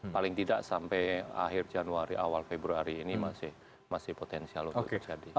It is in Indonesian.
paling tidak sampai akhir januari awal februari ini masih potensial untuk terjadi